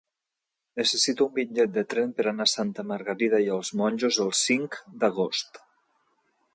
Necessito un bitllet de tren per anar a Santa Margarida i els Monjos el cinc d'agost.